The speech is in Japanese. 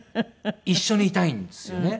一緒にいたいんですよね。